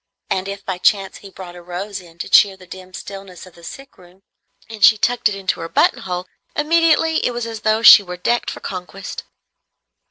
And if by chance he brought a rose in to cheer the dim stillness of the sick room, and she tucked it into her buttonhole, immediately it was as though she were decked for conquest.